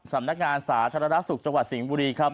สาธารณสุขจังหวัดสิงห์บุรีครับ